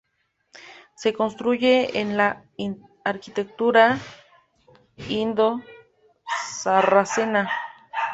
Se construye en la arquitectura indo-sarracena.